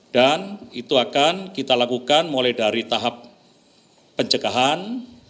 dan itu akan kita lakukan mulai dari tahap pencegahan